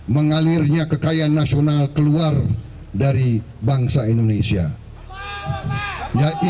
mengalirnya kekayaan nasional keluar dari bangsa indonesia